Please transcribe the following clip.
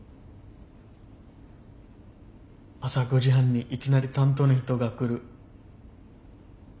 朝５時半にいきなり担当の人が来る。